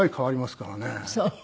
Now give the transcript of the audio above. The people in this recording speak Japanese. そう？